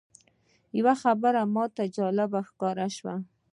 یوه خبره ماته جالبه ښکاره شوه.